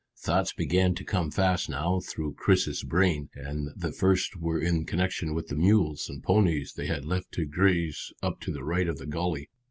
Thoughts began to come fast now through Chris's brain, and the first were in connection with the mules and ponies they had left to graze up to the right of the gully.